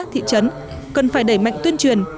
thị trấn cần phải đẩy mạnh tuyên truyền